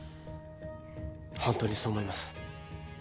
ほんとにそう思います。